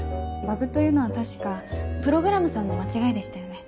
バグというのは確かプログラムさんの間違いでしたよね？